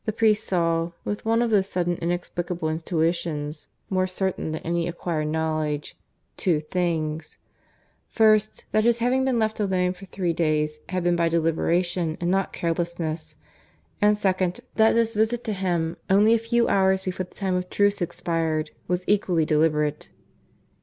The priest saw, with one of those sudden inexplicable intuitions more certain than any acquired knowledge, two things: first, that his having been left alone for three days had been by deliberation and not carelessness; and second, that this visit to him only a few hours before the time of truce expired was equally deliberate.